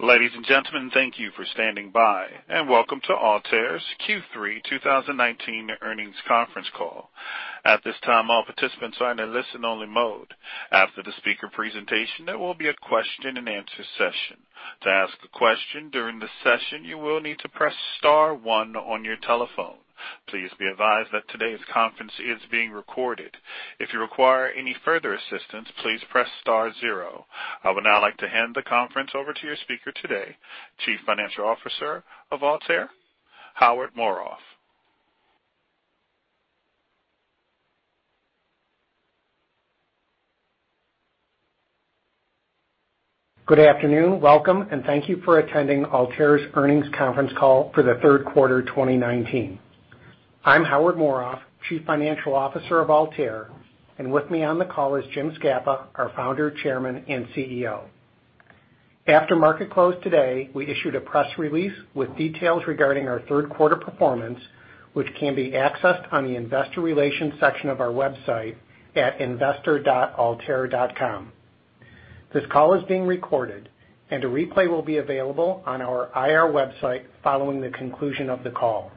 Ladies and gentlemen, thank you for standing by, and welcome to Altair's Q3 2019 earnings conference call. At this time, all participants are in a listen-only mode. After the speaker presentation, there will be a question and answer session. To ask a question during the session, you will need to press star one on your telephone. Please be advised that today's conference is being recorded. If you require any further assistance, please press star zero. I would now like to hand the conference over to your speaker today, Chief Financial Officer of Altair, Howard Morof. Good afternoon, welcome, and thank you for attending Altair's earnings conference call for the third quarter 2019. I'm Howard Morof, Chief Financial Officer of Altair, and with me on the call is Jim Scapa, our Founder, Chairman, and Chief Executive Officer. After market close today, we issued a press release with details regarding our third quarter performance, which can be accessed on the investor relations section of our website at investor.altair.com. This call is being recorded, and a replay will be available on our IR website following the conclusion of the call.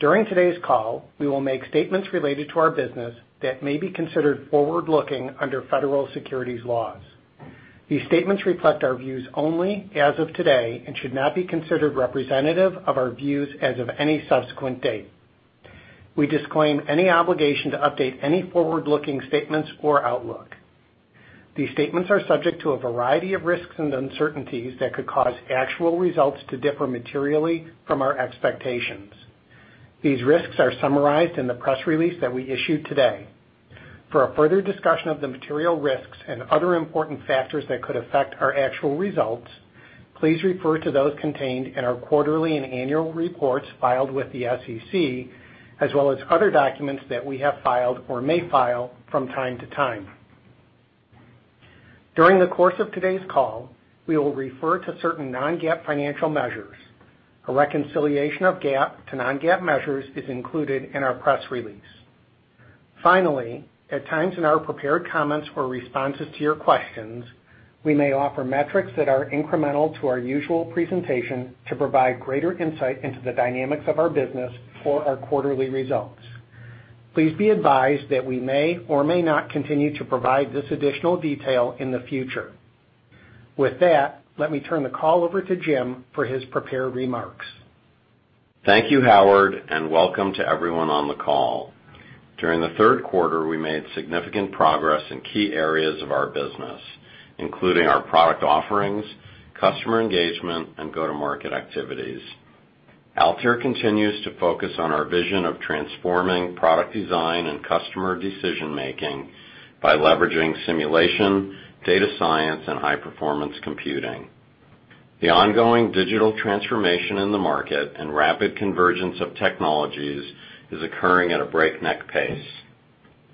During today's call, we will make statements related to our business that may be considered forward-looking under federal securities laws. These statements reflect our views only as of today and should not be considered representative of our views as of any subsequent date. We disclaim any obligation to update any forward-looking statements or outlook. These statements are subject to a variety of risks and uncertainties that could cause actual results to differ materially from our expectations. These risks are summarized in the press release that we issued today. For a further discussion of the material risks and other important factors that could affect our actual results, please refer to those contained in our quarterly and annual reports filed with the SEC, as well as other documents that we have filed or may file from time to time. During the course of today's call, we will refer to certain non-GAAP financial measures. A reconciliation of GAAP to non-GAAP measures is included in our press release. Finally, at times in our prepared comments or responses to your questions, we may offer metrics that are incremental to our usual presentation to provide greater insight into the dynamics of our business or our quarterly results. Please be advised that we may or may not continue to provide this additional detail in the future. With that, let me turn the call over to Jim for his prepared remarks. Thank you, Howard, and welcome to everyone on the call. During the third quarter, we made significant progress in key areas of our business, including our product offerings, customer engagement, and go-to-market activities. Altair continues to focus on our vision of transforming product design and customer decision-making by leveraging simulation, data science, and high-performance computing. The ongoing digital transformation in the market and rapid convergence of technologies is occurring at a breakneck pace.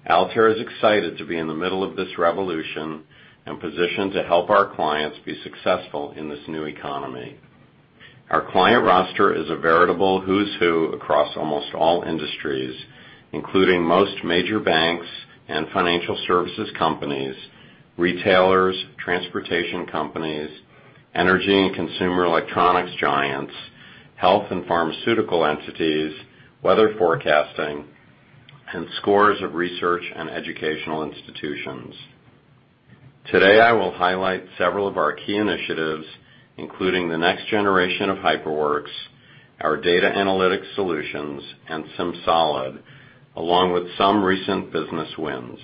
Altair is excited to be in the middle of this revolution and positioned to help our clients be successful in this new economy. Our client roster is a veritable who's who across almost all industries, including most major banks and financial services companies, retailers, transportation companies, energy and consumer electronics giants, health and pharmaceutical entities, weather forecasting, and scores of research and educational institutions. Today, I will highlight several of our key initiatives, including the next generation of HyperWorks, our data analytics solutions, and SimSolid, along with some recent business wins.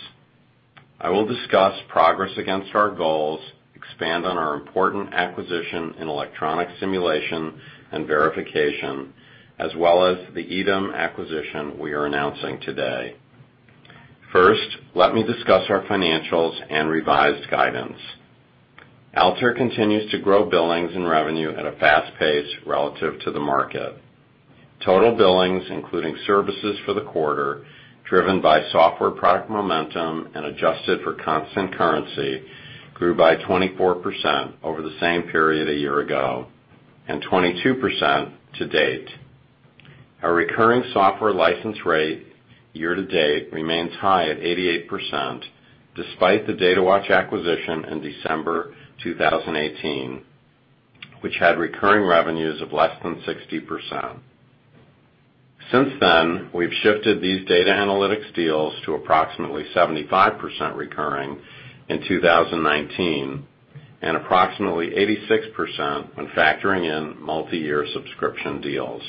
I will discuss progress against our goals, expand on our important acquisition in electronic simulation and verification, as well as the EDEM acquisition we are announcing today. First, let me discuss our financials and revised guidance. Altair continues to grow billings and revenue at a fast pace relative to the market. Total billings, including services for the quarter, driven by software product momentum and adjusted for constant currency, grew by 24% over the same period a year ago and 22% to date. Our recurring software license rate year to date remains high at 88%, despite the Datawatch acquisition in December 2018, which had recurring revenues of less than 60%. Since then, we've shifted these data analytics deals to approximately 75% recurring in 2019 and approximately 86% when factoring in multiyear subscription deals.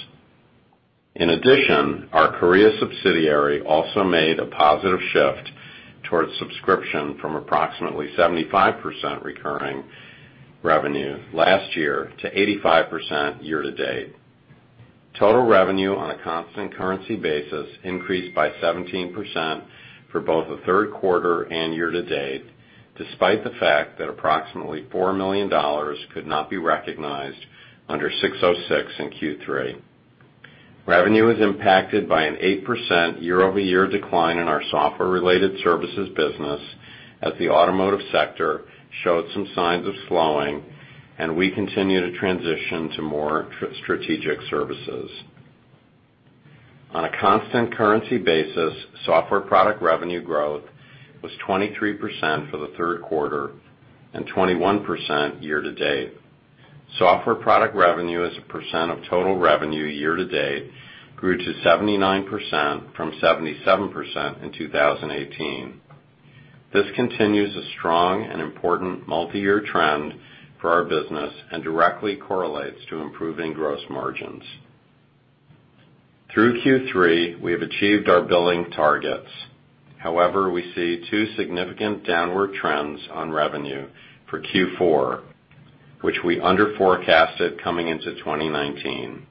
In addition, our Korea subsidiary also made a positive shift towards subscription from approximately 75% recurring revenue last year to 85% year-to-date. Total revenue on a constant currency basis increased by 17% for both the third quarter and year-to-date, despite the fact that approximately $4 million could not be recognized under ASC 606 in Q3. Revenue was impacted by an 8% year-over-year decline in our software-related services business as the automotive sector showed some signs of slowing and we continue to transition to more strategic services. On a constant currency basis, software product revenue growth was 23% for the third quarter and 21% year-to-date. Software product revenue as a percent of total revenue year-to-date grew to 79% from 77% in 2018. This continues a strong and important multi-year trend for our business and directly correlates to improving gross margins. Through Q3, we have achieved our billing targets. However, we see two significant downward trends on revenue for Q4, which we under-forecasted coming into 2019.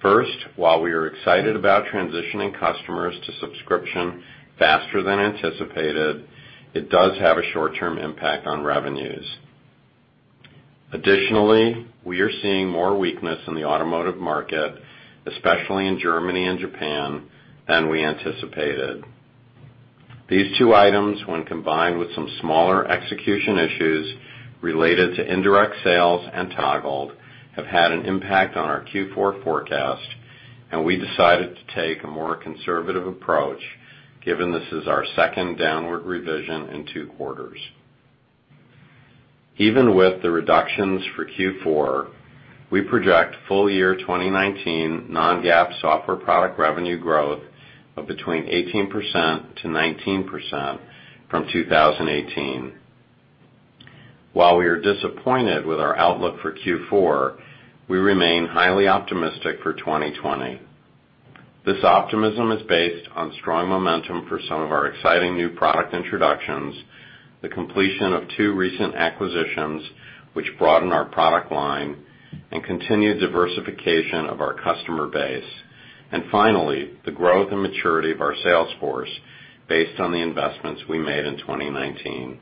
First, while we are excited about transitioning customers to subscription faster than anticipated, it does have a short-term impact on revenues. Additionally, we are seeing more weakness in the automotive market, especially in Germany and Japan, than we anticipated. These two items, when combined with some smaller execution issues related to indirect sales and Toggled, have had an impact on our Q4 forecast, and we decided to take a more conservative approach given this is our second downward revision in two quarters. Even with the reductions for Q4, we project full-year 2019 non-GAAP software product revenue growth of between 18%-19% from 2018. While we are disappointed with our outlook for Q4, we remain highly optimistic for 2020. This optimism is based on strong momentum for some of our exciting new product introductions, the completion of two recent acquisitions which broaden our product line and continue diversification of our customer base. Finally, the growth and maturity of our salesforce based on the investments we made in 2019.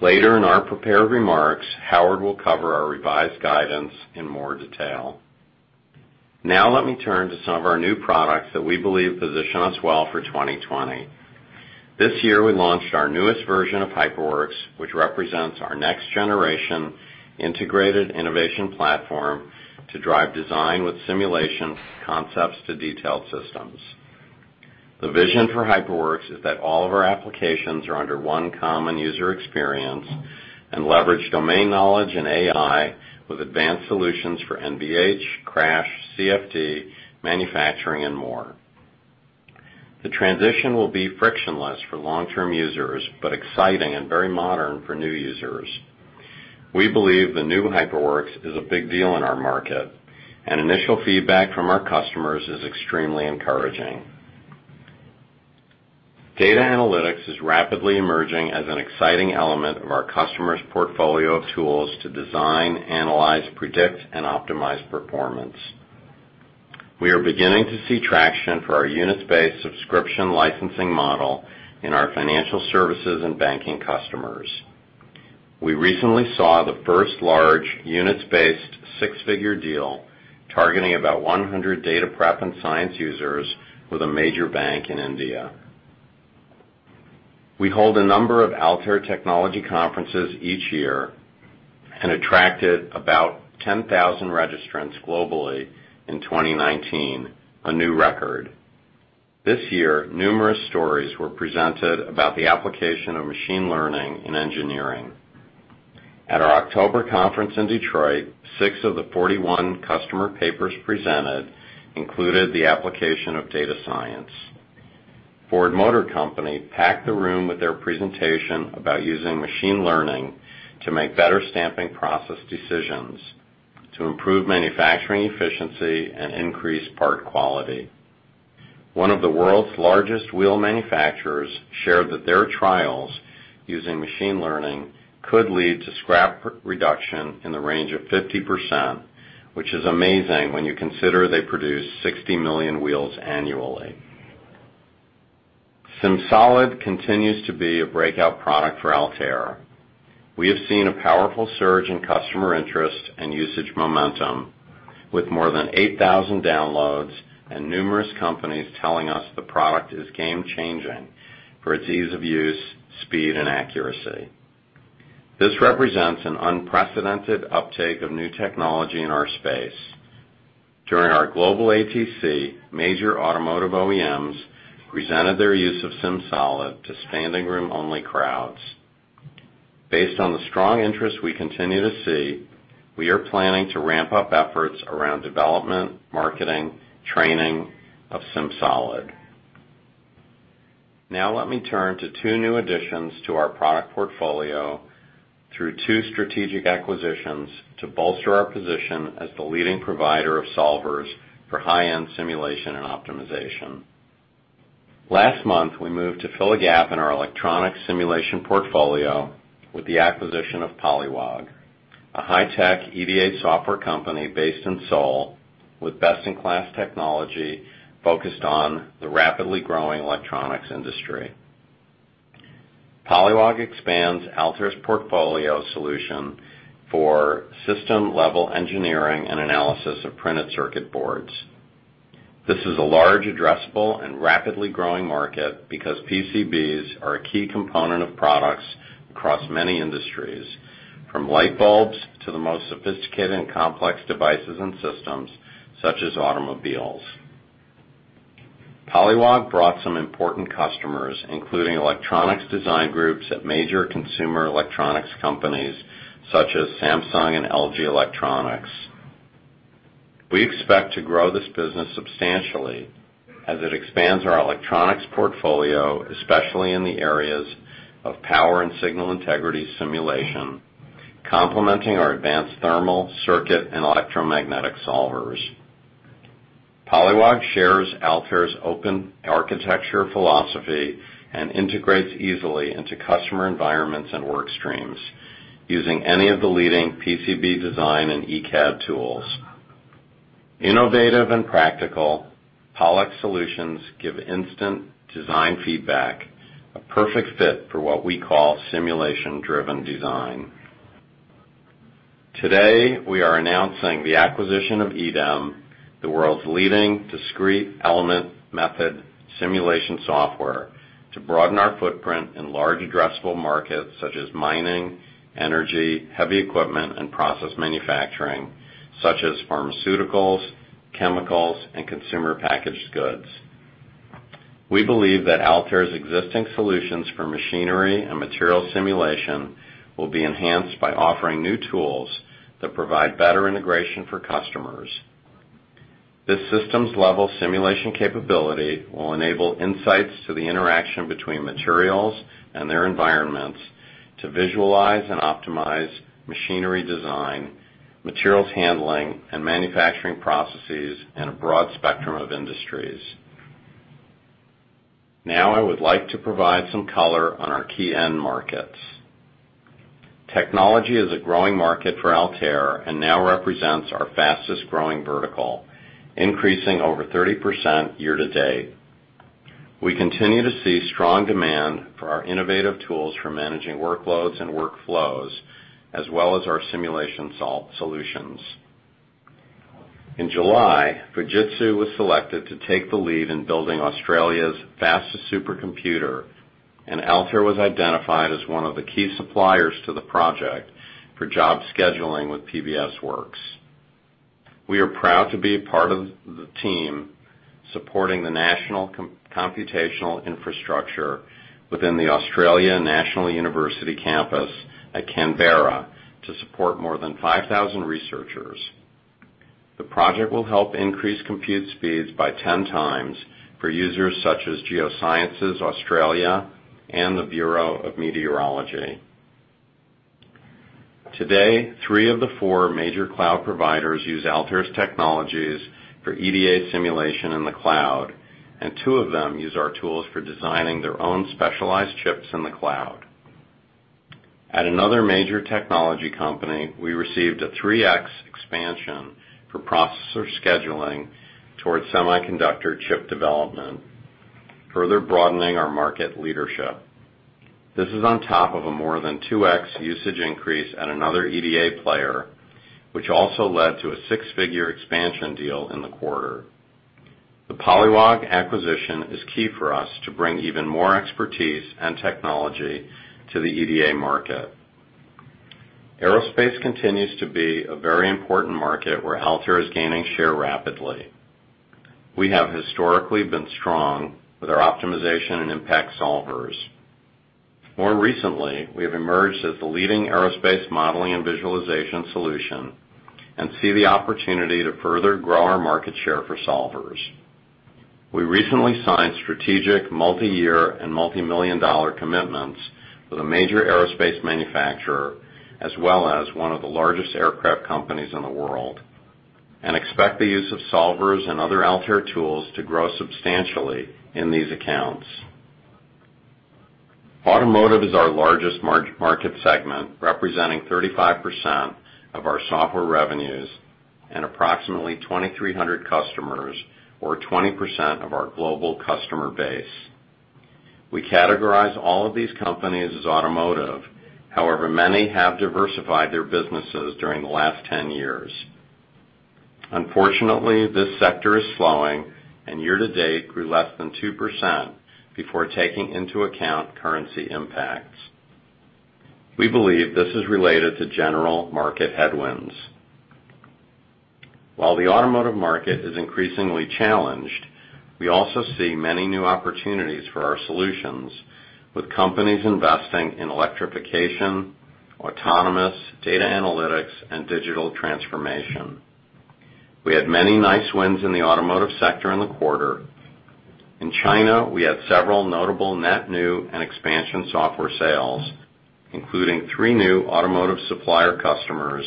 Later in our prepared remarks, Howard will cover our revised guidance in more detail. Now let me turn to some of our new products that we believe position us well for 2020. This year, we launched our newest version of HyperWorks, which represents our next-generation integrated innovation platform to drive design with simulation concepts to detailed systems. The vision for HyperWorks is that all of our applications are under one common user experience and leverage domain knowledge and AI with advanced solutions for NVH, crash, CFD, manufacturing, and more. The transition will be frictionless for long-term users, but exciting and very modern for new users. We believe the new HyperWorks is a big deal in our market, and initial feedback from our customers is extremely encouraging. data analytics is rapidly emerging as an exciting element of our customers' portfolio of tools to design, analyze, predict, and optimize performance. We are beginning to see traction for our units-based subscription licensing model in our financial services and banking customers. We recently saw the first large units-based six-figure deal targeting about 100 data prep and science users with a major bank in India. We hold a number of Altair technology conferences each year and attracted about 10,000 registrants globally in 2019, a new record. This year, numerous stories were presented about the application of machine learning in engineering. At our October conference in Detroit, six of the 41 customer papers presented included the application of data science. Ford Motor Company packed the room with their presentation about using machine learning to make better stamping process decisions to improve manufacturing efficiency and increase part quality. One of the world's largest wheel manufacturers shared that their trials using machine learning could lead to scrap reduction in the range of 50%, which is amazing when you consider they produce 60 million wheels annually. SimSolid continues to be a breakout product for Altair. We have seen a powerful surge in customer interest and usage momentum with more than 8,000 downloads and numerous companies telling us the product is game-changing for its ease of use, speed, and accuracy. This represents an unprecedented uptake of new technology in our space. During our global ATC, major automotive OEMs presented their use of SimSolid to standing-room-only crowds. Based on the strong interest we continue to see, we are planning to ramp up efforts around development, marketing, training of SimSolid. Let me turn to two new additions to our product portfolio through two strategic acquisitions to bolster our position as the leading provider of solvers for high-end simulation and optimization. Last month, we moved to fill a gap in our electronic simulation portfolio with the acquisition of Polliwog, a high-tech EDA software company based in Seoul with best-in-class technology focused on the rapidly growing electronics industry. Polliwog expands Altair's portfolio solution for system-level engineering and analysis of printed circuit boards. This is a large addressable and rapidly growing market because PCBs are a key component of products across many industries. From light bulbs to the most sophisticated and complex devices and systems, such as automobiles. Polliwog brought some important customers, including electronics design groups at major consumer electronics companies such as Samsung and LG Electronics. We expect to grow this business substantially as it expands our electronics portfolio, especially in the areas of power and signal integrity simulation, complementing our advanced thermal, circuit, and electromagnetic solvers. Polliwog shares Altair's open architecture philosophy and integrates easily into customer environments and work streams using any of the leading PCB design and ECAD tools. Innovative and practical, PollEx solutions give instant design feedback, a perfect fit for what we call simulation-driven design. Today, we are announcing the acquisition of EDEM, the world's leading discrete element method simulation software, to broaden our footprint in large addressable markets such as mining, energy, heavy equipment, and process manufacturing, such as pharmaceuticals, chemicals, and consumer packaged goods. We believe that Altair's existing solutions for machinery and material simulation will be enhanced by offering new tools that provide better integration for customers. This systems-level simulation capability will enable insights to the interaction between materials and their environments to visualize and optimize machinery design, materials handling, and manufacturing processes in a broad spectrum of industries. I would like to provide some color on our key end markets. Technology is a growing market for Altair and now represents our fastest-growing vertical, increasing over 30% year to date. We continue to see strong demand for our innovative tools for managing workloads and workflows, as well as our simulation solutions. In July, Fujitsu was selected to take the lead in building Australia's fastest supercomputer, and Altair was identified as one of the key suppliers to the project for job scheduling with PBS Works. We are proud to be a part of the team supporting the national computational infrastructure within the Australian National University campus at Canberra to support more than 5,000 researchers. The project will help increase compute speeds by 10 times for users such as Geoscience Australia and the Bureau of Meteorology. Today, three of the four major cloud providers use Altair's technologies for EDA simulation in the cloud, and two of them use our tools for designing their own specialized chips in the cloud. At another major technology company, we received a 3x expansion for processor scheduling towards semiconductor chip development, further broadening our market leadership. This is on top of a more than 2x usage increase at another EDA player, which also led to a six-figure expansion deal in the quarter. The Polliwog acquisition is key for us to bring even more expertise and technology to the EDA market. Aerospace continues to be a very important market where Altair is gaining share rapidly. We have historically been strong with our optimization and impact solvers. More recently, we have emerged as the leading aerospace modeling and visualization solution and see the opportunity to further grow our market share for solvers. We recently signed strategic multi-year and multimillion-dollar commitments with a major aerospace manufacturer, as well as one of the largest aircraft companies in the world, and expect the use of solvers and other Altair tools to grow substantially in these accounts. Automotive is our largest market segment, representing 35% of our software revenues and approximately 2,300 customers or 20% of our global customer base. We categorize all of these companies as automotive. However, many have diversified their businesses during the last 10 years. Unfortunately, this sector is slowing and year to date grew less than 2% before taking into account currency impacts. We believe this is related to general market headwinds. While the automotive market is increasingly challenged, we also see many new opportunities for our solutions with companies investing in electrification, autonomous, data analytics, and digital transformation. We had many nice wins in the automotive sector in the quarter. In China, we had several notable net new and expansion software sales, including three new automotive supplier customers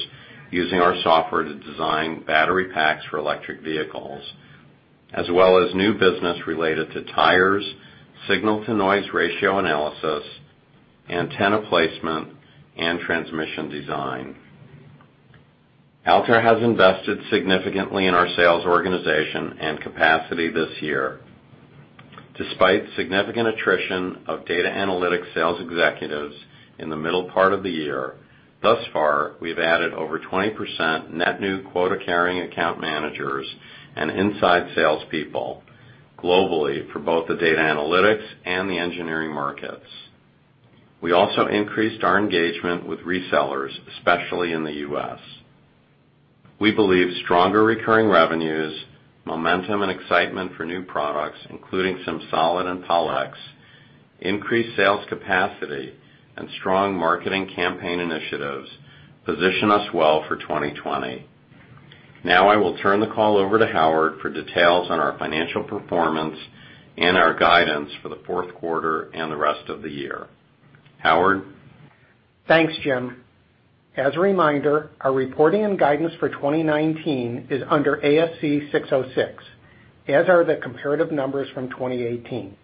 using our software to design battery packs for electric vehicles, as well as new business related to tires, signal-to-noise ratio analysis, antenna placement, and transmission design. Altair has invested significantly in our sales organization and capacity this year. Despite significant attrition of data analytics sales executives in the middle part of the year, thus far, we've added over 20% net new quota-carrying account managers and inside salespeople globally for both the data analytics and the engineering markets. We also increased our engagement with resellers, especially in the U.S. We believe stronger recurring revenues, momentum and excitement for new products, including SimSolid and PollEx, increased sales capacity, and strong marketing campaign initiatives position us well for 2020. Now I will turn the call over to Howard for details on our financial performance and our guidance for the fourth quarter and the rest of the year. Howard? Thanks, Jim. As a reminder, our reporting and guidance for 2019 is under ASC 606, as are the comparative numbers from 2018.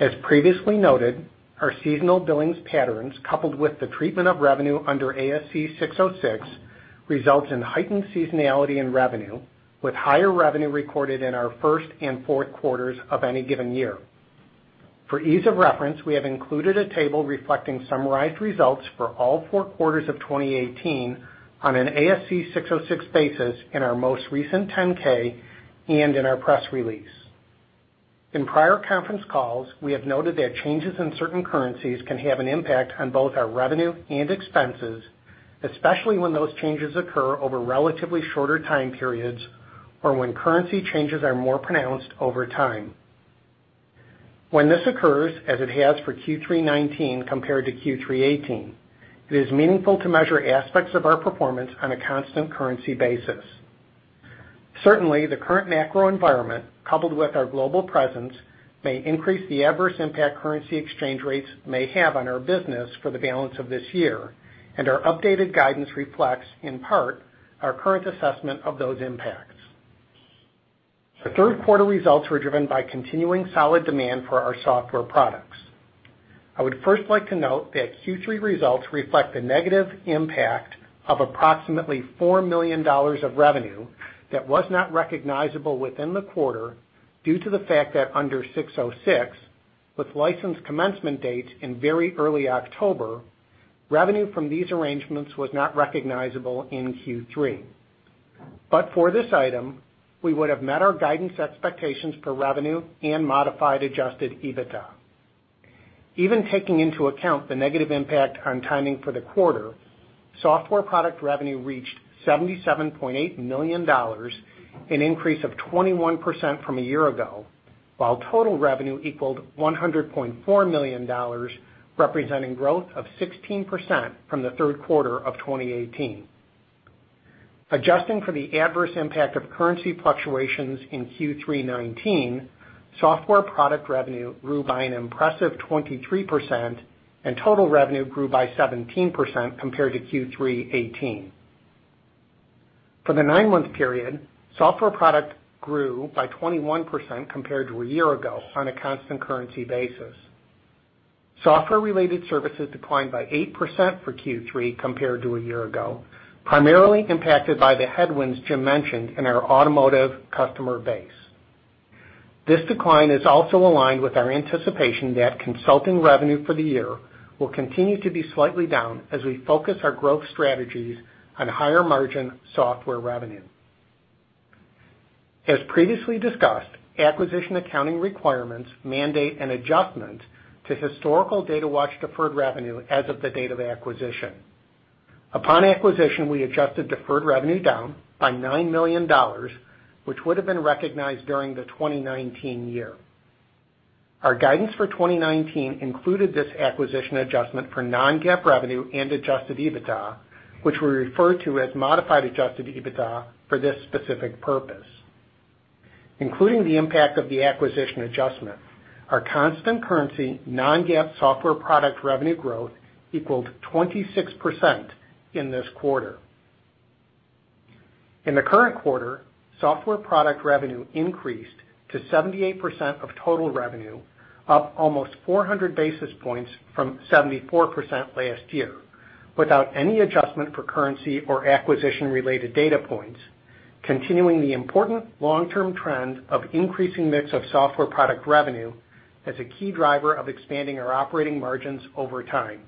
As previously noted, our seasonal billings patterns, coupled with the treatment of revenue under ASC 606, results in heightened seasonality in revenue, with higher revenue recorded in our first and fourth quarters of any given year. For ease of reference, we have included a table reflecting summarized results for all 4 quarters of 2018 on an ASC 606 basis in our most recent 10-K and in our press release. In prior conference calls, we have noted that changes in certain currencies can have an impact on both our revenue and expenses, especially when those changes occur over relatively shorter time periods or when currency changes are more pronounced over time. When this occurs, as it has for Q3 2019 compared to Q3 2018, it is meaningful to measure aspects of our performance on a constant currency basis. Certainly, the current macro environment, coupled with our global presence, may increase the adverse impact currency exchange rates may have on our business for the balance of this year, and our updated guidance reflects, in part, our current assessment of those impacts. The third quarter results were driven by continuing solid demand for our software products. I would first like to note that Q3 results reflect the negative impact of approximately $4 million of revenue that was not recognizable within the quarter due to the fact that under ASC 606, with license commencement dates in very early October, revenue from these arrangements was not recognizable in Q3. For this item, we would have met our guidance expectations for revenue and modified adjusted EBITDA. Even taking into account the negative impact on timing for the quarter, software product revenue reached $77.8 million, an increase of 21% from a year ago, while total revenue equaled $100.4 million, representing growth of 16% from the third quarter of 2018. Adjusting for the adverse impact of currency fluctuations in Q3 2019, software product revenue grew by an impressive 23%, and total revenue grew by 17% compared to Q3 2018. For the nine-month period, software product grew by 21% compared to a year ago on a constant currency basis. Software-related services declined by 8% for Q3 compared to a year ago, primarily impacted by the headwinds Jim mentioned in our automotive customer base. This decline is also aligned with our anticipation that consulting revenue for the year will continue to be slightly down as we focus our growth strategies on higher-margin software revenue. As previously discussed, acquisition accounting requirements mandate an adjustment to historical Datawatch deferred revenue as of the date of acquisition. Upon acquisition, we adjusted deferred revenue down by $9 million, which would have been recognized during the 2019 year. Our guidance for 2019 included this acquisition adjustment for non-GAAP revenue and adjusted EBITDA, which we refer to as modified adjusted EBITDA for this specific purpose. Including the impact of the acquisition adjustment, our constant currency non-GAAP software product revenue growth equaled 26% in this quarter. In the current quarter, software product revenue increased to 78% of total revenue, up almost 400 basis points from 74% last year, without any adjustment for currency or acquisition-related data points, continuing the important long-term trend of increasing mix of software product revenue as a key driver of expanding our operating margins over time.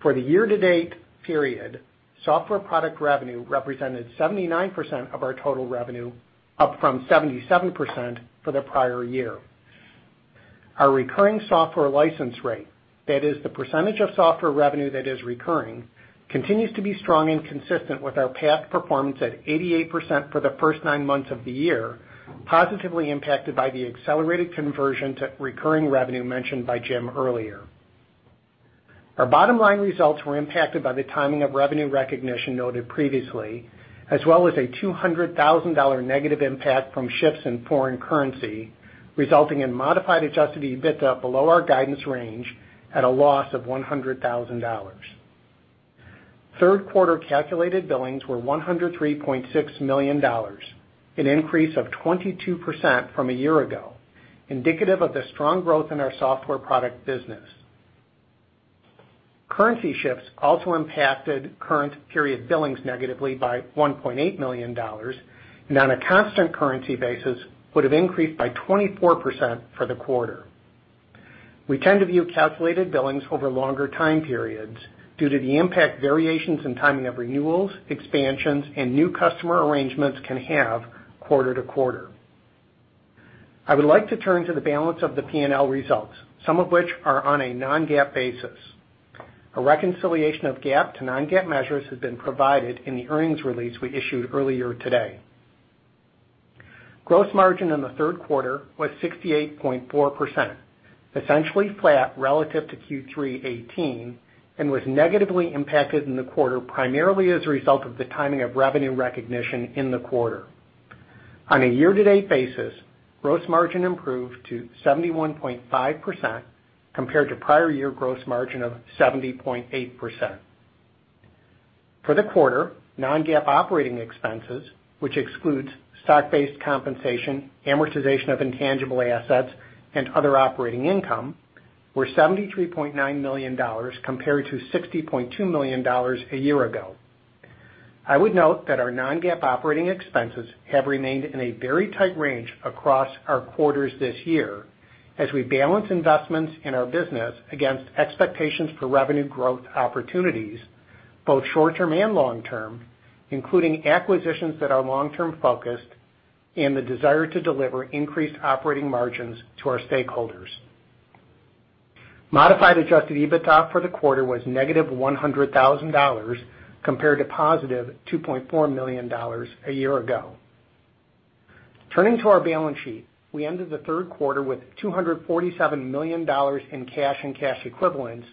For the year-to-date period, software product revenue represented 79% of our total revenue, up from 77% for the prior year. Our recurring software license rate, that is the percentage of software revenue that is recurring, continues to be strong and consistent with our past performance at 88% for the first nine months of the year, positively impacted by the accelerated conversion to recurring revenue mentioned by Jim earlier. Our bottom-line results were impacted by the timing of revenue recognition noted previously, as well as a $200,000 negative impact from shifts in foreign currency, resulting in modified adjusted EBITDA below our guidance range at a loss of $100,000. Third quarter calculated billings were $103.6 million, an increase of 22% from a year ago, indicative of the strong growth in our software product business. Currency shifts also impacted current period billings negatively by $1.8 million and on a constant currency basis would have increased by 24% for the quarter. We tend to view calculated billings over longer time periods due to the impact variations in timing of renewals, expansions, and new customer arrangements can have quarter to quarter. I would like to turn to the balance of the P&L results, some of which are on a non-GAAP basis. A reconciliation of GAAP to non-GAAP measures has been provided in the earnings release we issued earlier today. Gross margin in the third quarter was 68.4%, essentially flat relative to Q3 '18, and was negatively impacted in the quarter primarily as a result of the timing of revenue recognition in the quarter. On a year-to-date basis, gross margin improved to 71.5%, compared to prior year gross margin of 70.8%. For the quarter, non-GAAP operating expenses, which excludes stock-based compensation, amortization of intangible assets, and other operating income, were $73.9 million compared to $60.2 million a year ago. I would note that our non-GAAP operating expenses have remained in a very tight range across our quarters this year as we balance investments in our business against expectations for revenue growth opportunities, both short-term and long-term, including acquisitions that are long-term focused and the desire to deliver increased operating margins to our stakeholders. Modified adjusted EBITDA for the quarter was negative $100,000 compared to positive $2.4 million a year ago. Turning to our balance sheet, we ended the third quarter with $247 million in cash and cash equivalents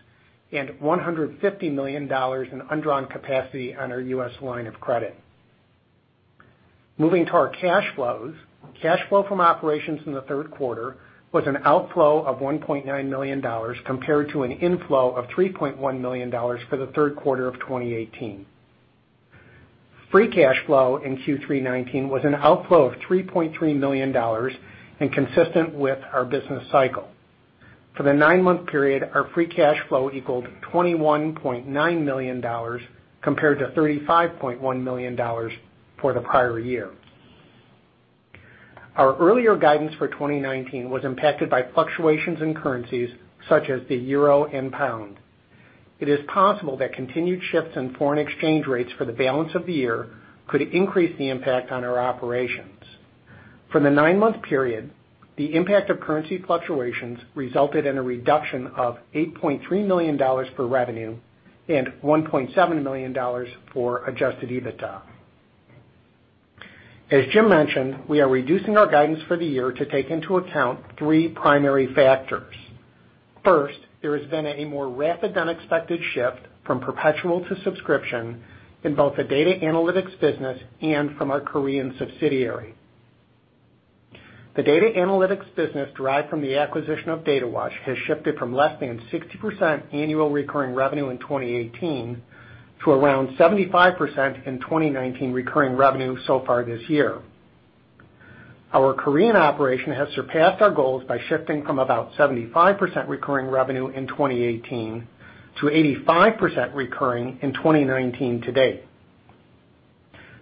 and $150 million in undrawn capacity on our U.S. line of credit. Moving to our cash flows, cash flow from operations in the third quarter was an outflow of $1.9 million compared to an inflow of $3.1 million for the third quarter of 2018. Free cash flow in Q3 '19 was an outflow of $3.3 million and consistent with our business cycle. For the nine-month period, our free cash flow equaled $21.9 million compared to $35.1 million for the prior year. Our earlier guidance for 2019 was impacted by fluctuations in currencies such as the euro and pound. It is possible that continued shifts in foreign exchange rates for the balance of the year could increase the impact on our operations. For the nine-month period, the impact of currency fluctuations resulted in a reduction of $8.3 million for revenue and $1.7 million for adjusted EBITDA. As Jim mentioned, we are reducing our guidance for the year to take into account three primary factors. First, there has been a more rapid than expected shift from perpetual to subscription in both the data analytics business and from our Korean subsidiary. The data analytics business derived from the acquisition of Datawatch has shifted from less than 60% annual recurring revenue in 2018 to around 75% in 2019 recurring revenue so far this year. Our Korean operation has surpassed our goals by shifting from about 75% recurring revenue in 2018 to 85% recurring in 2019 to date.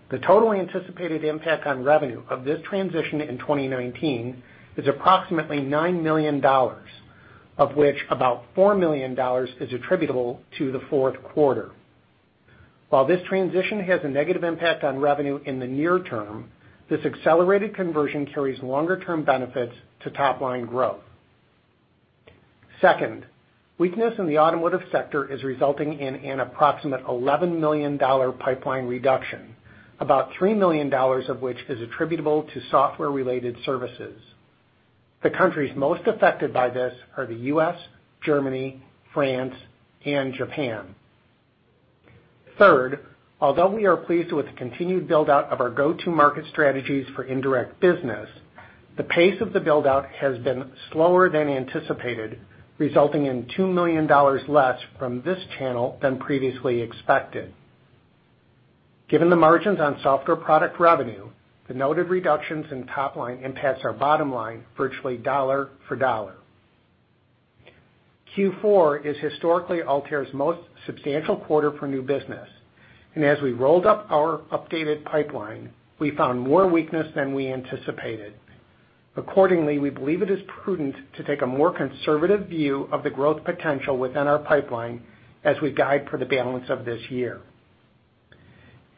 The total anticipated impact on revenue of this transition in 2019 is approximately $9 million, of which about $4 million is attributable to the fourth quarter. While this transition has a negative impact on revenue in the near term, this accelerated conversion carries longer-term benefits to top-line growth. Second, weakness in the automotive sector is resulting in an approximate $11 million pipeline reduction, about $3 million of which is attributable to software-related services. The countries most affected by this are the U.S., Germany, France, and Japan. Third, although we are pleased with the continued build-out of our go-to-market strategies for indirect business, the pace of the build-out has been slower than anticipated, resulting in $2 million less from this channel than previously expected. Given the margins on software product revenue, the noted reductions in top line impacts our bottom line virtually dollar for dollar. Q4 is historically Altair's most substantial quarter for new business, and as we rolled up our updated pipeline, we found more weakness than we anticipated. Accordingly, we believe it is prudent to take a more conservative view of the growth potential within our pipeline as we guide for the balance of this year.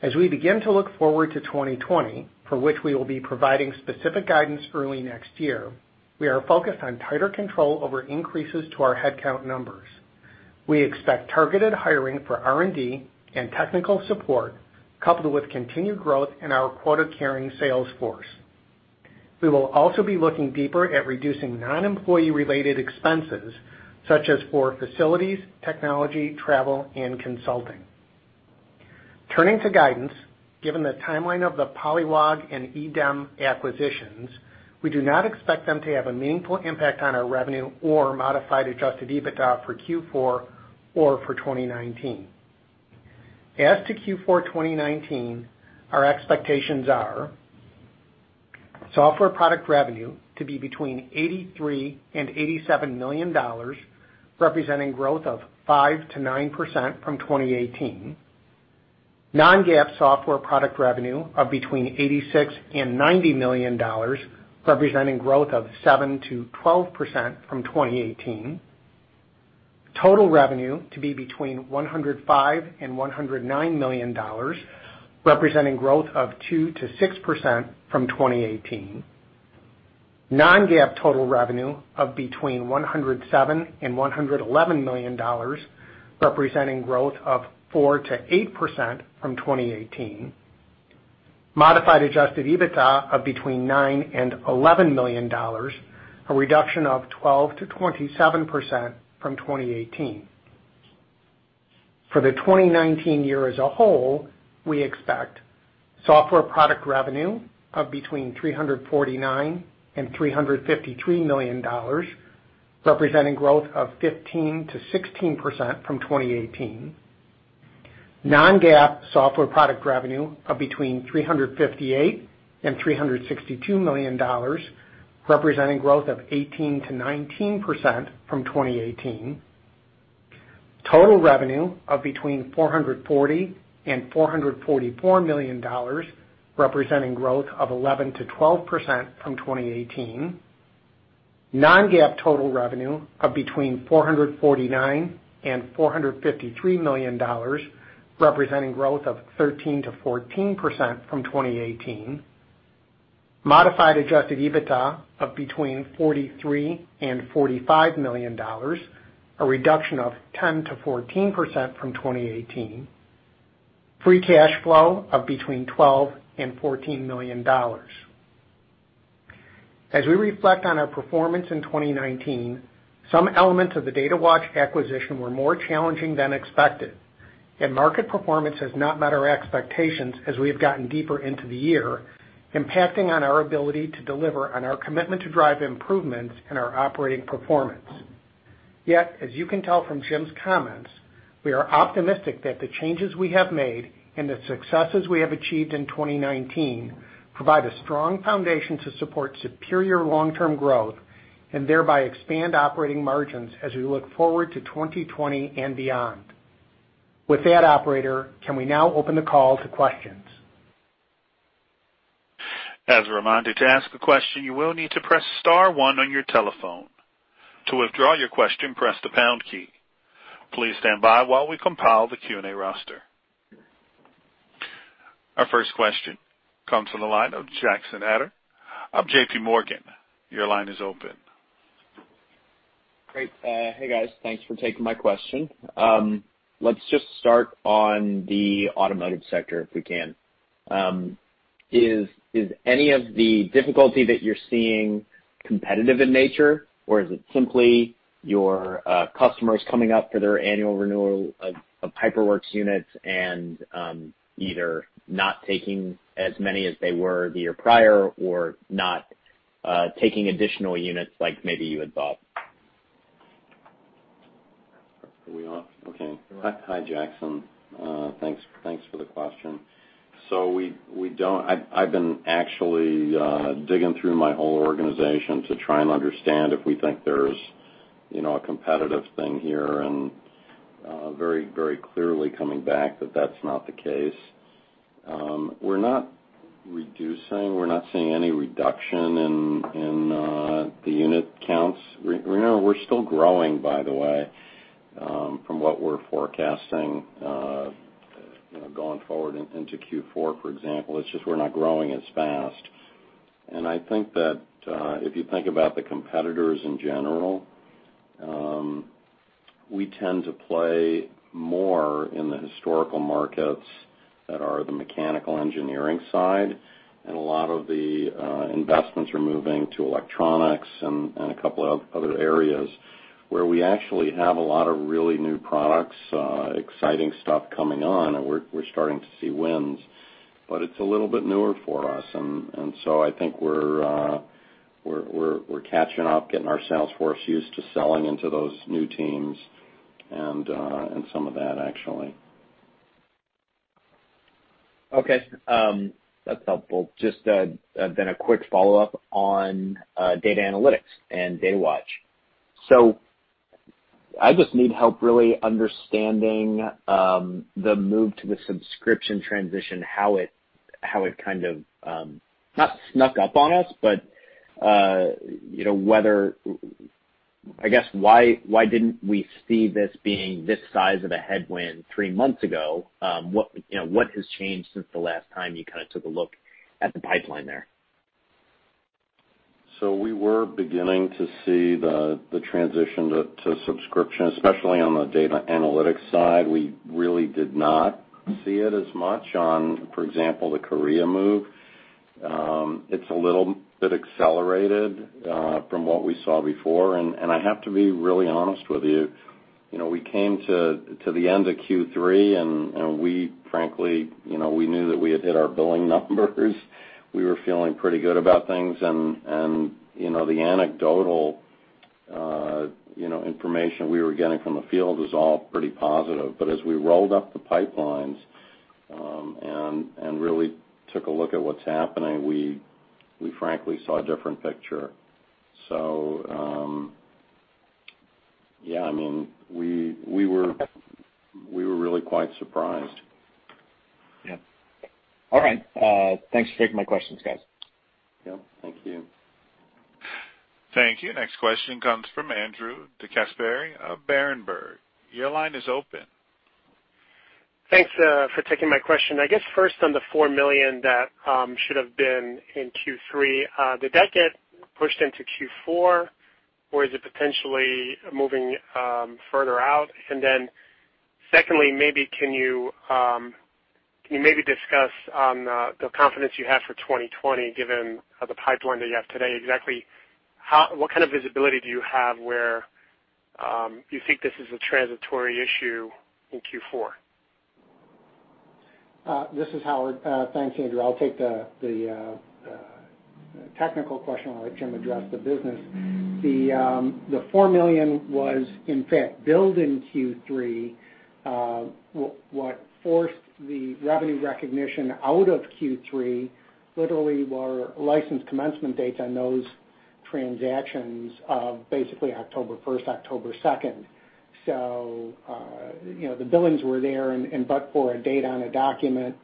As we begin to look forward to 2020, for which we will be providing specific guidance early next year, we are focused on tighter control over increases to our headcount numbers. We expect targeted hiring for R&D and technical support, coupled with continued growth in our quota-carrying sales force. We will also be looking deeper at reducing non-employee-related expenses, such as for facilities, technology, travel, and consulting. Turning to guidance, given the timeline of the Polliwog and EDEM acquisitions, we do not expect them to have a meaningful impact on our revenue or modified adjusted EBITDA for Q4 or for 2019. As to Q4 2019, our expectations are software product revenue to be between $83 million and $87 million, representing growth of 5%-9% from 2018. Non-GAAP software product revenue of between $86 million and $90 million, representing growth of 7%-12% from 2018. Total revenue to be between $105 million and $109 million, representing growth of 2%-6% from 2018. Non-GAAP total revenue of between $107 million and $111 million, representing growth of 4%-8% from 2018. Modified adjusted EBITDA of between $9 million and $11 million, a reduction of 12%-27% from 2018. For the 2019 year as a whole, we expect software product revenue of between $349 million and $353 million, representing growth of 15%-16% from 2018. Non-GAAP software product revenue of between $358 million and $362 million, representing growth of 18%-19% from 2018. Total revenue of between $440 million and $444 million, representing growth of 11%-12% from 2018. Non-GAAP total revenue of between $449 million and $453 million, representing growth of 13%-14% from 2018. Modified adjusted EBITDA of $43 million-$45 million, a reduction of 10%-14% from 2018. Free cash flow of $12 million-$14 million. As we reflect on our performance in 2019, some elements of the Datawatch acquisition were more challenging than expected. Market performance has not met our expectations as we have gotten deeper into the year, impacting on our ability to deliver on our commitment to drive improvements in our operating performance. Yet, as you can tell from Jim's comments, we are optimistic that the changes we have made and the successes we have achieved in 2019 provide a strong foundation to support superior long-term growth, and thereby expand operating margins as we look forward to 2020 and beyond. With that, operator, can we now open the call to questions? As a reminder, to ask a question, you will need to press star one on your telephone. To withdraw your question, press the pound key. Please stand by while we compile the Q&A roster. Our first question comes from the line of Jackson Ader of JP Morgan. Your line is open. Great. Hey, guys. Thanks for taking my question. Sure. Let's just start on the automotive sector, if we can. Is any of the difficulty that you're seeing competitive in nature, or is it simply your customers coming up for their annual renewal of HyperWorks units and either not taking as many as they were the year prior or not taking additional units like maybe you had thought? Are we off? Okay. Hi, Jackson. Thanks for the question. I've been actually digging through my whole organization to try and understand if we think there's a competitive thing here, and very clearly coming back that that's not the case. We're not reducing. We're not seeing any reduction in the unit counts. We're still growing, by the way, from what we're forecasting going forward into Q4, for example. It's just we're not growing as fast. I think that if you think about the competitors in general, we tend to play more in the historical markets that are the mechanical engineering side, and a lot of the investments are moving to electronics and a couple of other areas where we actually have a lot of really new products, exciting stuff coming on and we're starting to see wins, but it's a little bit newer for us. I think we're catching up, getting our sales force used to selling into those new teams and some of that, actually. Okay. That's helpful. Just a quick follow-up on data analytics and Datawatch. I just need help really understanding the move to the subscription transition, how it kind of, not snuck up on us, but I guess why didn't we see this being this size of a headwind three months ago? What has changed since the last time you took a look at the pipeline there? We were beginning to see the transition to subscription, especially on the data analytics side. We really did not see it as much on, for example, the Korea move. It's a little bit accelerated from what we saw before. I have to be really honest with you. We came to the end of Q3, and we frankly knew that we had hit our billing numbers. We were feeling pretty good about things, and the anecdotal information we were getting from the field was all pretty positive. As we rolled up the pipelines and really took a look at what's happening, we frankly saw a different picture. Really quite surprised. Yeah. All right. Thanks for taking my questions, guys. Yeah, thank you. Thank you. Next question comes from Andrew DeGasperi of Berenberg. Your line is open. Thanks for taking my question. I guess first on the $4 million that should have been in Q3, did that get pushed into Q4 or is it potentially moving further out? Secondly, can you maybe discuss the confidence you have for 2020 given the pipeline that you have today? What kind of visibility do you have where you think this is a transitory issue in Q4? This is Howard. Thanks, Andrew. I'll take the technical question, I'll let Jim address the business. The $4 million was in fact billed in Q3. What forced the revenue recognition out of Q3 literally were license commencement dates on those transactions of basically October 1st, October 2nd. The billings were there and, but for a date on a document,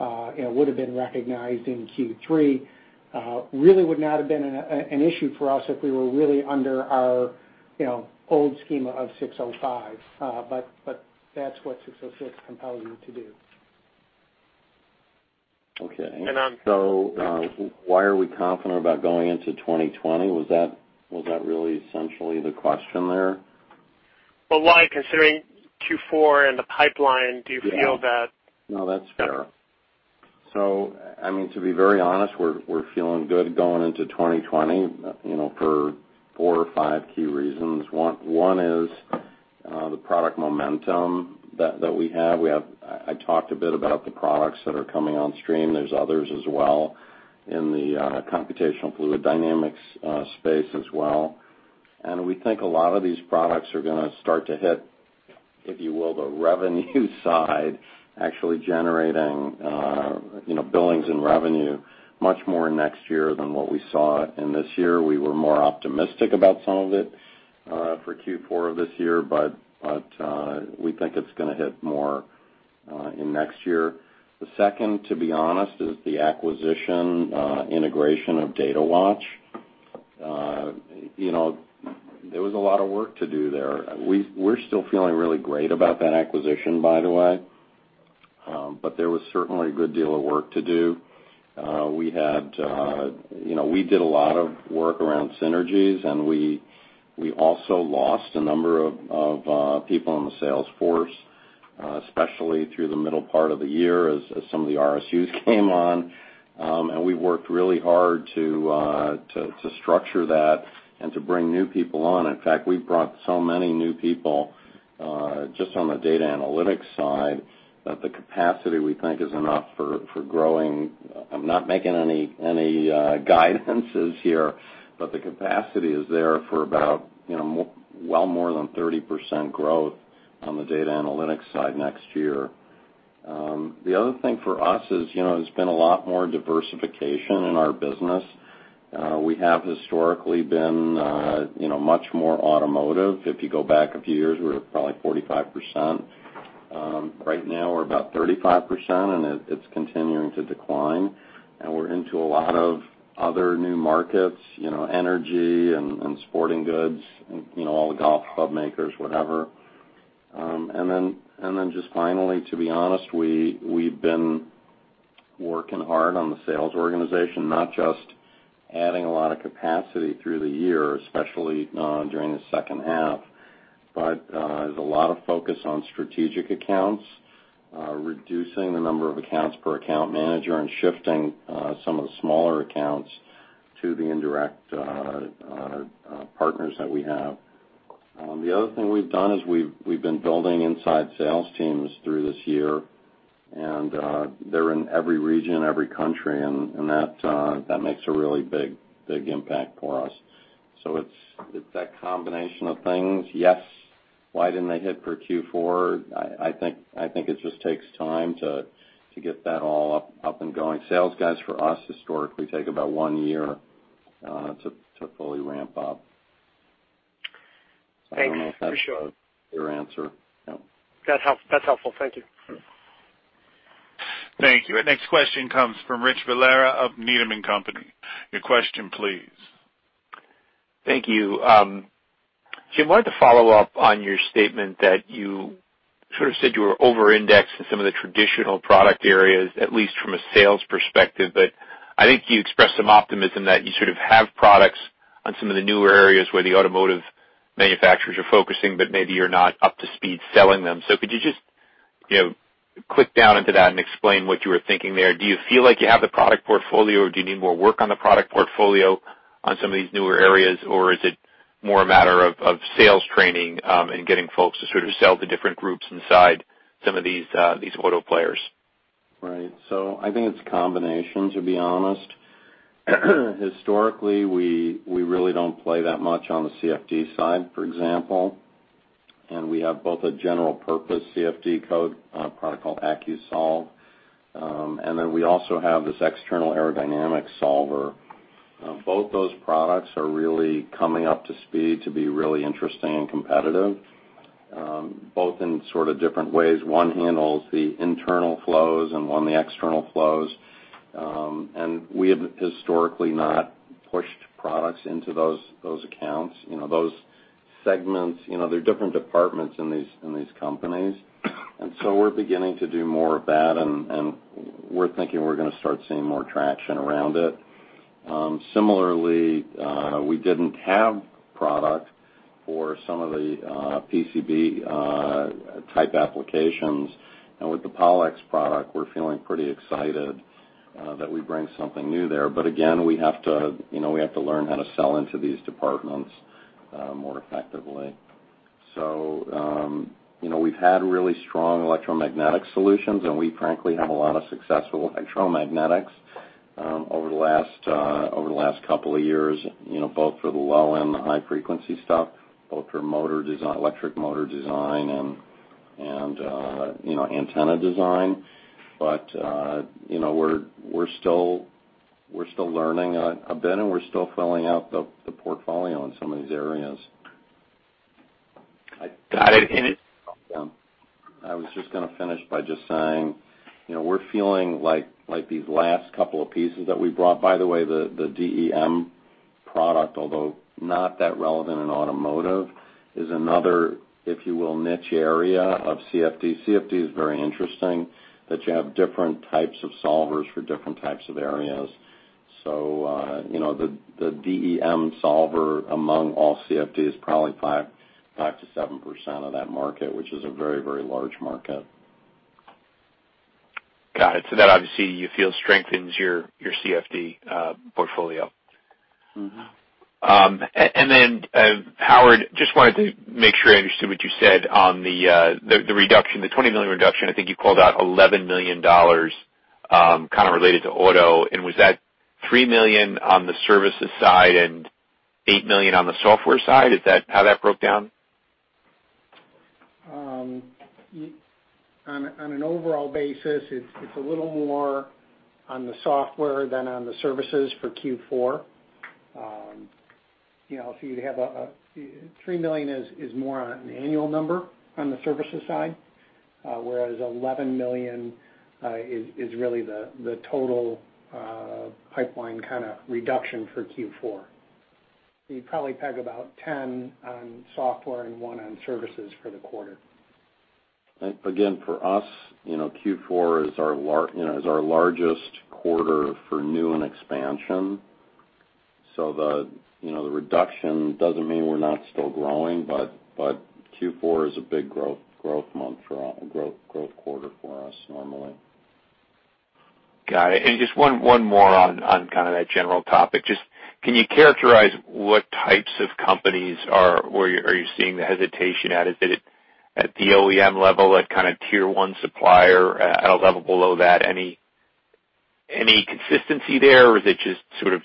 would've been recognized in Q3. Really would not have been an issue for us if we were really under our old schema of ASC 605, but that's what ASC 606 compels you to do. Okay. Why are we confident about going into 2020? Was that really essentially the question there? Well, why, considering Q4 and the pipeline, do you feel that? No, that's fair. To be very honest, we're feeling good going into 2020 for four or five key reasons. One is the product momentum that we have. I talked a bit about the products that are coming on stream. There's others as well in the computational fluid dynamics space as well. We think a lot of these products are gonna start to hit, if you will, the revenue side, actually generating billings and revenue much more next year than what we saw in this year. We were more optimistic about some of it for Q4 of this year. We think it's gonna hit more in next year. The second, to be honest, is the acquisition integration of Datawatch. There was a lot of work to do there. We're still feeling really great about that acquisition, by the way, but there was certainly a good deal of work to do. We did a lot of work around synergies, and we also lost a number of people on the sales force, especially through the middle part of the year as some of the RSUs came on. We worked really hard to structure that and to bring new people on. In fact, we've brought so many new people, just on the data analytics side, that the capacity we think is enough for growing. I'm not making any guidances here, but the capacity is there for about well more than 30% growth on the data analytics side next year. The other thing for us is, there's been a lot more diversification in our business. We have historically been much more automotive. If you go back a few years, we were probably 45%. Right now we're about 35%, and it's continuing to decline, and we're into a lot of other new markets, energy and sporting goods and all the golf club makers, whatever. Just finally, to be honest, we've been working hard on the sales organization, not just adding a lot of capacity through the year, especially during the second half. There's a lot of focus on strategic accounts, reducing the number of accounts per account manager, and shifting some of the smaller accounts to the indirect partners that we have. The other thing we've done is we've been building inside sales teams through this year, and they're in every region and every country, and that makes a really big impact for us. It's that combination of things. Yes. Why didn't they hit for Q4? I think it just takes time to get that all up and going. Sales guys for us historically take about one year to fully ramp up. Thank you. For sure. I don't know if that's your answer. Yeah. That's helpful. Thank you. Sure. Thank you. Our next question comes from Rich Valera of Needham & Company. Your question, please. Thank you. Jim, wanted to follow up on your statement that you sort of said you were over-indexed in some of the traditional product areas, at least from a sales perspective. I think you expressed some optimism that you sort of have products on some of the newer areas where the automotive manufacturers are focusing, but maybe you're not up to speed selling them. Could you just click down into that and explain what you were thinking there? Do you feel like you have the product portfolio or do you need more work on the product portfolio on some of these newer areas, or is it more a matter of sales training and getting folks to sort of sell to different groups inside some of these auto players? I think it's combinations, to be honest. Historically, we really don't play that much on the CFD side, for example. We have both a general-purpose CFD code product called AcuSolve and then we also have this external aerodynamics solver. Both those products are really coming up to speed to be really interesting and competitive, both in sort of different ways. One handles the internal flows and one the external flows. We have historically not pushed products into those accounts, those segments. There are different departments in these companies. We're beginning to do more of that, and we're thinking we're going to start seeing more traction around it. Similarly, we didn't have product for some of the PCB type applications. With the PollEx product, we're feeling pretty excited that we bring something new there. Again, we have to learn how to sell into these departments more effectively. We've had really strong electromagnetic solutions, and we frankly have a lot of successful electromagnetics over the last couple of years, both for the low and the high-frequency stuff, both for electric motor design and antenna design. We're still learning a bit, and we're still filling out the portfolio in some of these areas. I got it. I was just going to finish by just saying, we're feeling like these last couple of pieces that we brought. By the way, the DEM product, although not that relevant in automotive, is another, if you will, niche area of CFD. CFD is very interesting, that you have different types of solvers for different types of areas. The DEM solver among all CFD is probably 5% to 7% of that market, which is a very large market. Got it. That obviously you feel strengthens your CFD portfolio. Howard, just wanted to make sure I understood what you said on the $20 million reduction. I think you called out $11 million kind of related to auto, and was that $3 million on the services side and $8 million on the software side? Is that how that broke down? On an overall basis, it's a little more on the software than on the services for Q4. You'd have $3 million is more on an annual number on the services side, whereas $11 million is really the total pipeline kind of reduction for Q4. You'd probably peg about $10 on software and $1 on services for the quarter. Again, for us, Q4 is our largest quarter for new and expansion. The reduction doesn't mean we're not still growing, but Q4 is a big growth quarter for us normally. Got it. Just one more on kind of that general topic. Just can you characterize what types of companies are you seeing the hesitation at? Is it at the OEM level, at kind of Tier 1 supplier, at a level below that? Any consistency there, or is it just sort of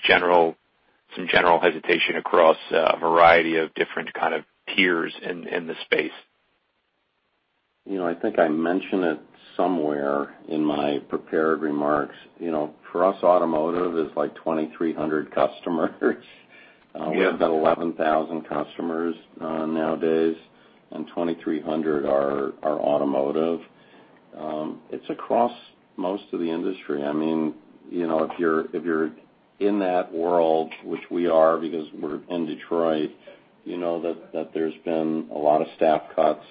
some general hesitation across a variety of different kind of tiers in the space? I think I mentioned it somewhere in my prepared remarks. For us, automotive is like 2,300 customers. We've got 11,000 customers nowadays, and 2,300 are automotive. It's across most of the industry. If you're in that world, which we are, because we're in Detroit, you know that there's been a lot of staff cuts.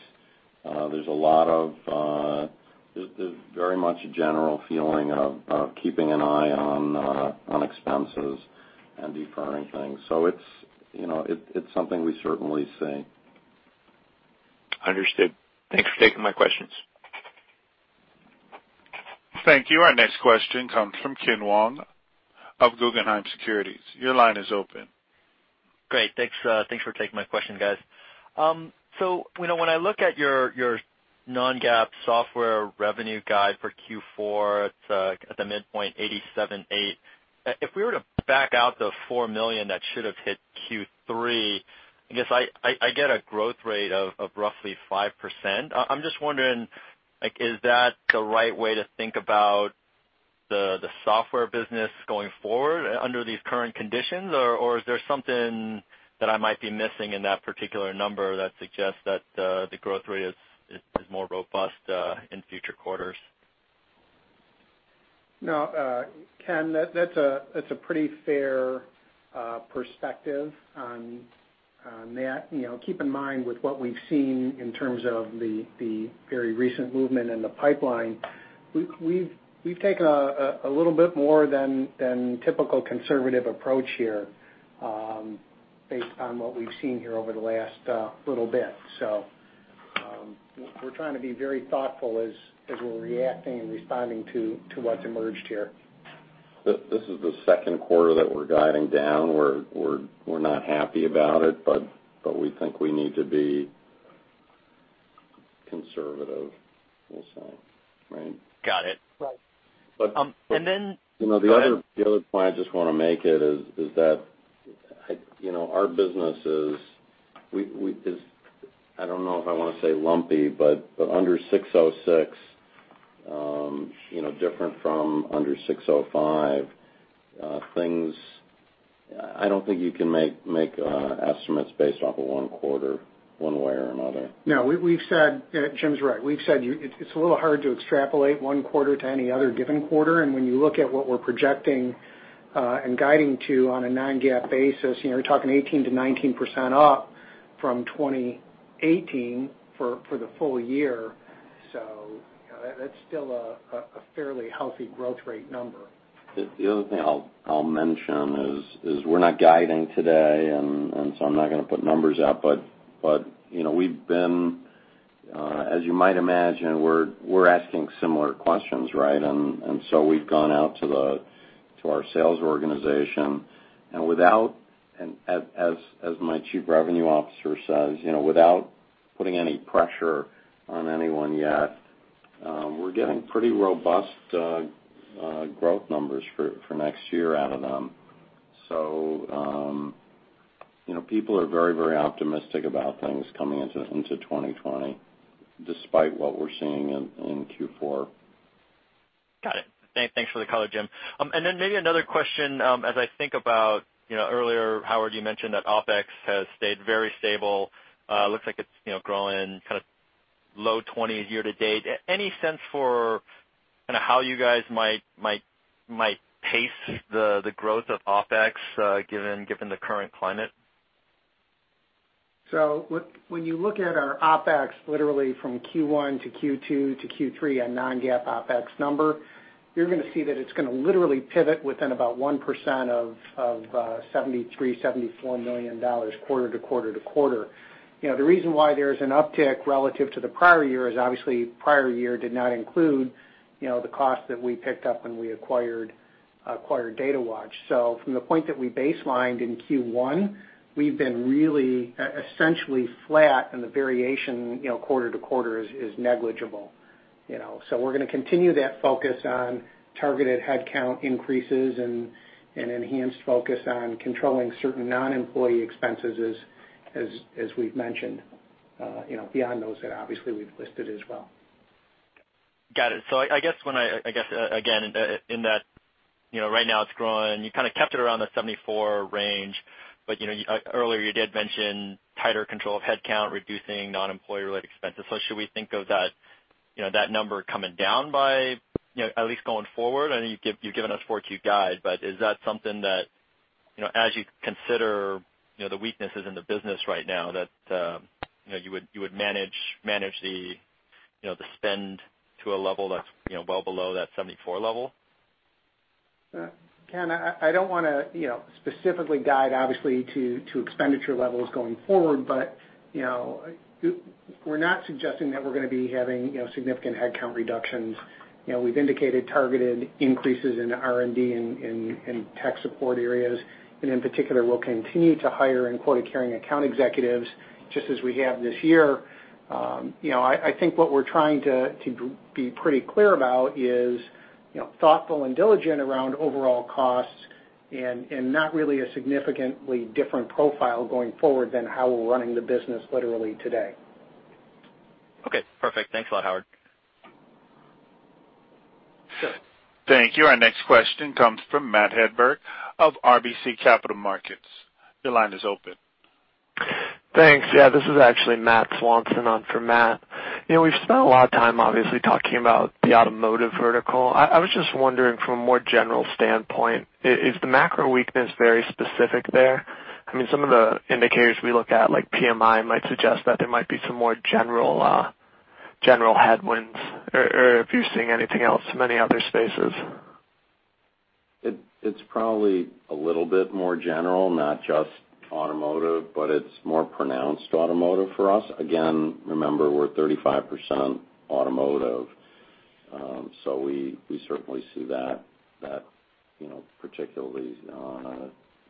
There's very much a general feeling of keeping an eye on expenses and deferring things. It's something we certainly see. Understood. Thanks for taking my questions. Thank you. Our next question comes from Ken Wong of Guggenheim Securities. Your line is open. Great. Thanks for taking my question, guys. When I look at your non-GAAP software revenue guide for Q4 at the midpoint $87.8, if we were to back out the $4 million that should've hit Q3, I guess I get a growth rate of roughly 5%. I'm just wondering, is that the right way to think about the software business going forward under these current conditions, or is there something that I might be missing in that particular number that suggests that the growth rate is more robust in future quarters? No, Ken, that's a pretty fair perspective on that. Keep in mind with what we've seen in terms of the very recent movement in the pipeline, we've taken a little bit more than typical conservative approach here based on what we've seen here over the last little bit. We're trying to be very thoughtful as we're reacting and responding to what's emerged here. This is the second quarter that we're guiding down. We're not happy about it, we think we need to be conservative, we'll say. Right? Got it. Right. And then- The other point I just want to make it is that our business is, I don't know if I want to say lumpy, but under ASC 606, different from under ASC 605. I don't think you can make estimates based off of one quarter, one way or another. No, Jim's right. We've said it's a little hard to extrapolate one quarter to any other given quarter. When you look at what we're projecting and guiding to on a non-GAAP basis, you're talking 18%-19% up from 2018 for the full year. That's still a fairly healthy growth rate number. The other thing I'll mention is we're not guiding today, and so I'm not going to put numbers out, but as you might imagine, we're asking similar questions, right? We've gone out to our sales organization and as my Chief Revenue Officer says, without putting any pressure on anyone yet, we're getting pretty robust growth numbers for next year out of them. People are very optimistic about things coming into 2020, despite what we're seeing in Q4. Got it. Thanks for the color, Jim. Maybe another question, as I think about earlier, Howard, you mentioned that OpEx has stayed very stable. Looks like it's growing low 20 year-to-date. Any sense for how you guys might pace the growth of OpEx given the current climate? When you look at our OpEx literally from Q1 to Q2 to Q3, a non-GAAP OpEx number, you're going to see that it's going to literally pivot within about 1% of $73 million, $74 million quarter to quarter. The reason why there's an uptick relative to the prior year is obviously prior year did not include the cost that we picked up when we acquired Datawatch. From the point that we baselined in Q1, we've been really essentially flat and the variation quarter to quarter is negligible. We're going to continue that focus on targeted headcount increases and enhanced focus on controlling certain non-employee expenses as we've mentioned beyond those that obviously we've listed as well. I guess, again, in that right now it's growing, you kept it around the 74 range, but earlier you did mention tighter control of headcount, reducing non-employer related expenses. Should we think of that number coming down by at least going forward? I know you've given us forward Q guide, but is that something that as you consider the weaknesses in the business right now that you would manage the spend to a level that's well below that 74 level? Ken, I don't want to specifically guide obviously to expenditure levels going forward, but we're not suggesting that we're going to be having significant headcount reductions. We've indicated targeted increases in R&D and tech support areas, and in particular, we'll continue to hire and quote carrying account executives, just as we have this year. I think what we're trying to be pretty clear about is thoughtful and diligent around overall costs and not really a significantly different profile going forward than how we're running the business literally today. Okay, perfect. Thanks a lot, Howard. Sure. Thank you. Our next question comes from Matt Hedberg of RBC Capital Markets. Your line is open. Thanks. This is actually Matt Swanson on for Matt. We've spent a lot of time obviously talking about the automotive vertical. I was just wondering from a more general standpoint, is the macro weakness very specific there? Some of the indicators we look at, like PMI might suggest that there might be some more general headwinds, or if you're seeing anything else in any other spaces. It's probably a little bit more general, not just automotive, but it's more pronounced automotive for us. Again, remember, we're 35% automotive. We certainly see that particularly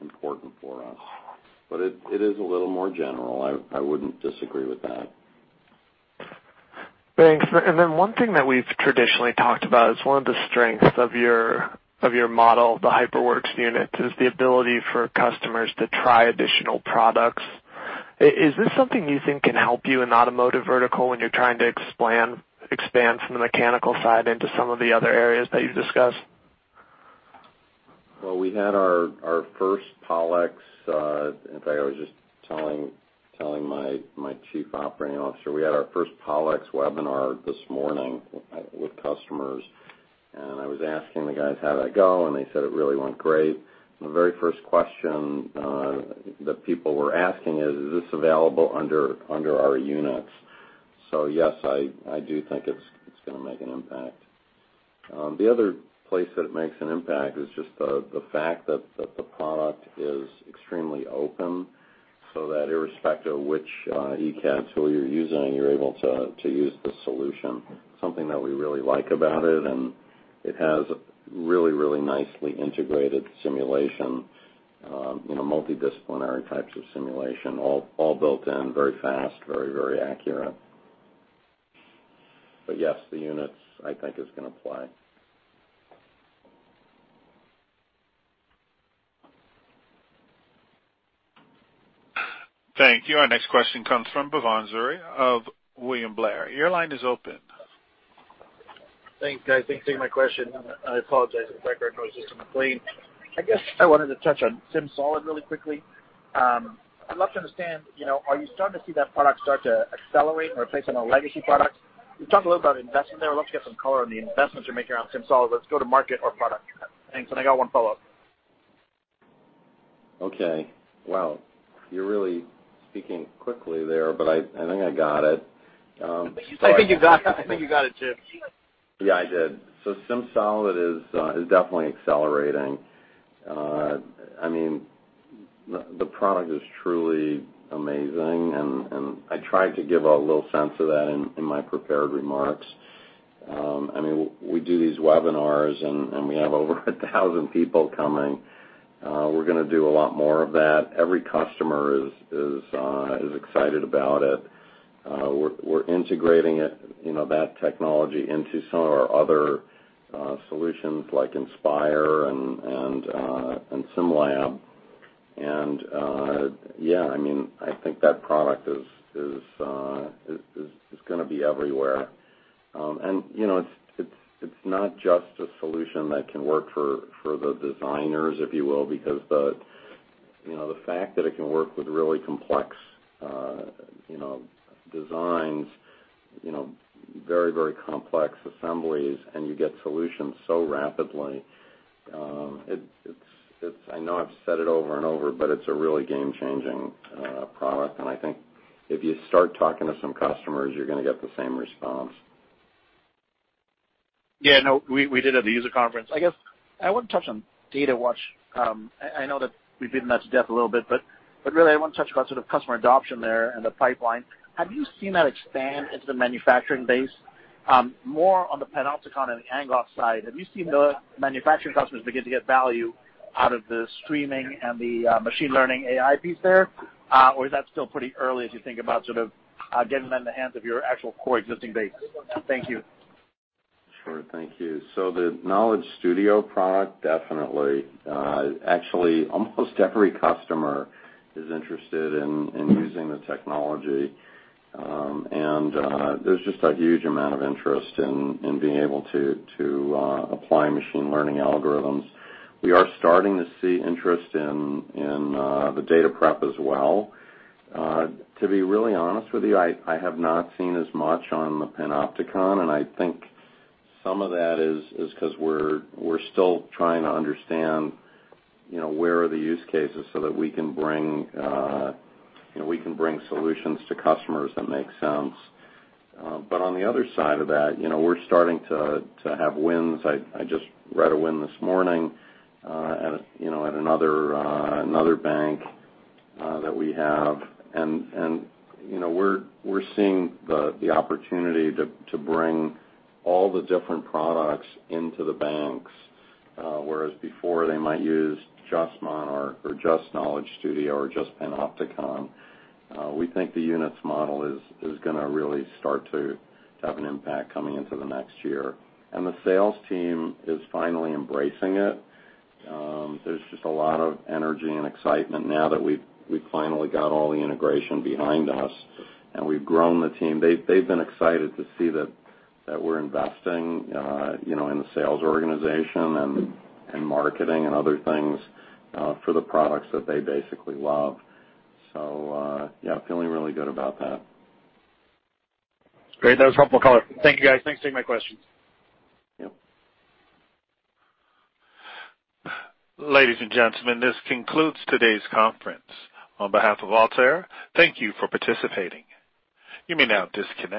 important for us. It is a little more general. I wouldn't disagree with that. Thanks. One thing that we've traditionally talked about is one of the strengths of your model, the HyperWorks units, is the ability for customers to try additional products. Is this something you think can help you in automotive vertical when you're trying to expand from the mechanical side into some of the other areas that you've discussed? Well, we had our first PollEx, in fact, I was just telling my chief operating officer we had our first PollEx webinar this morning with customers. I was asking the guys, how did that go, and they said it really went great. The very first question that people were asking is: Is this available under our units? Yes, I do think it's going to make an impact. The other place that it makes an impact is just the fact that the product is extremely open, so that irrespective of which ECAD tool you're using, you're able to use the solution. Something that we really like about it. It has really nicely integrated simulation, multidisciplinary types of simulation, all built in very fast, very accurate. Yes, the units I think is going to apply. Thank you. Our next question comes from Bhavan Suri of William Blair. Your line is open. Thanks, guys. Thanks for taking my question. I apologize if I break up, I was just on a plane. I guess I wanted to touch on SimSolid really quickly. I'd love to understand, are you starting to see that product start to accelerate and replace some of the legacy products? You talked a little about investment there. I'd love to get some color on the investments you're making on SimSolid, whether it's go-to-market or product. Thanks, and I got one follow-up. Okay. Wow, you're really speaking quickly there. I think I got it. I think you got it too. Yeah, I did. SimSolid is definitely accelerating. The product is truly amazing, and I tried to give a little sense of that in my prepared remarks. We do these webinars, and we have over 1,000 people coming. We're going to do a lot more of that. Every customer is excited about it. We're integrating that technology into some of our other solutions, like Inspire and SimLab. Yeah, I think that product is going to be everywhere. It's not just a solution that can work for the designers, if you will, because the fact that it can work with really complex designs, very complex assemblies, and you get solutions so rapidly. I know I've said it over and over, but it's a really game-changing product. I think if you start talking to some customers, you're going to get the same response. Yeah. No, we did at the user conference. I guess I want to touch on Datawatch. I know that we've beaten that to death a little bit, but really I want to touch about sort of customer adoption there and the pipeline. Have you seen that expand into the manufacturing base? More on the Panopticon and the Angoss side, have you seen the manufacturing customers begin to get value out of the streaming and the machine learning AI piece there? Is that still pretty early as you think about sort of getting that in the hands of your actual core existing base? Thank you. Sure. Thank you. The Knowledge Studio product, definitely. Actually, almost every customer is interested in using the technology. There's just a huge amount of interest in being able to apply machine learning algorithms. We are starting to see interest in the data prep as well. To be really honest with you, I have not seen as much on the Panopticon, and I think some of that is because we're still trying to understand where are the use cases so that we can bring solutions to customers that make sense. On the other side of that, we're starting to have wins. I just read a win this morning at another bank that we have. We're seeing the opportunity to bring all the different products into the banks. Whereas before they might use just Monarch or just Knowledge Studio or just Panopticon. We think the units model is going to really start to have an impact coming into the next year. The sales team is finally embracing it. There's just a lot of energy and excitement now that we've finally got all the integration behind us and we've grown the team. They've been excited to see that we're investing in the sales organization and marketing and other things for the products that they basically love. Yeah, feeling really good about that. Great. That was helpful color. Thank you, guys. Thanks for taking my questions. Yep. Ladies and gentlemen, this concludes today's conference. On behalf of Altair, thank you for participating. You may now disconnect.